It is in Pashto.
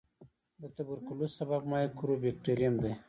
د توبرکلوس سبب مایکوبیکټریم دی.